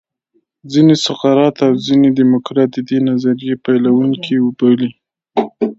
ځینې سقرات او ځینې دیموکریت د دې نظریې پیلوونکي بولي